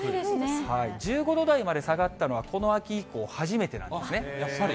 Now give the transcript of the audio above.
１５度台まで下がったのは、この秋以降初めてなんですね。